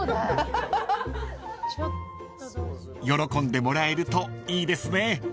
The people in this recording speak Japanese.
［喜んでもらえるといいですね］